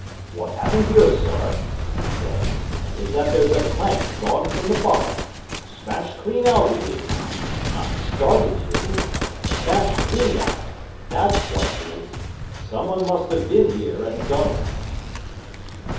"What's happened here, sir," he said, "is that there's a plank gone from the bottom. Smashed clean out, it is. Not started it isn't. Smashed clean out. That's what it is. Some one must have been here and done it."